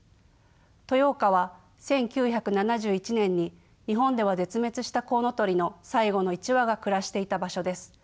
豊岡は１９７１年に日本では絶滅したコウノトリの最後の１羽が暮らしていた場所です。